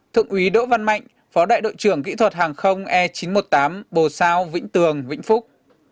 thượng úy đỗ văn mạnh phó đại đội trưởng kỹ thuật hàng không e chín trăm một mươi tám bồ sao vĩnh tường vĩnh phúc